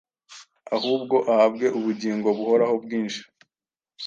ahubwo ahabwe ubugingo buhoraho bwinshi